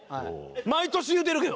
毎年言うてるけど。